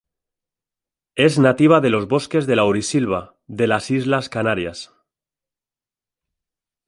Es nativa de los bosques de laurisilva de las Islas Canarias.